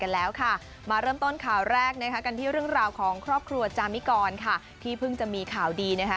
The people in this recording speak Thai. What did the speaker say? แล้วค่ะมาเริ่มต้นข่าวแรกนะคะกันที่เรื่องราวของครอบครัวจามิกรค่ะที่เพิ่งจะมีข่าวดีนะคะ